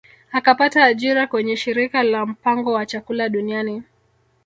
Akapata ajira kwenye shirika la mpango wa chakula duniani